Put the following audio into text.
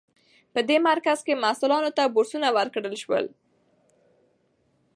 په دې مرکز کې محصلانو ته بورسونه ورکړل شول.